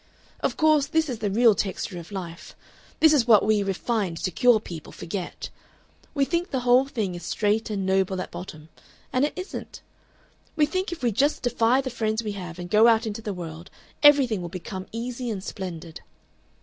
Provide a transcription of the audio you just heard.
"Of course, this is the real texture of life, this is what we refined secure people forget. We think the whole thing is straight and noble at bottom, and it isn't. We think if we just defy the friends we have and go out into the world everything will become easy and splendid.